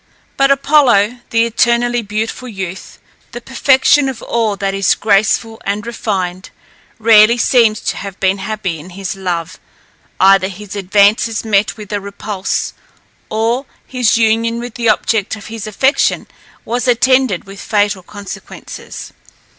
But Apollo, the eternally beautiful youth, the perfection of all that is graceful and refined, rarely seems to have been happy in his love; either his advances met with a repulse, or his union with the object of his affection was attended with fatal consequences.